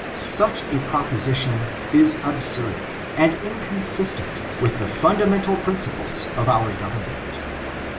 Such a proposition is absurd, and inconsistent with the fundamental principles of our government.